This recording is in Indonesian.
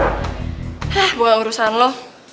hah buang urusan lo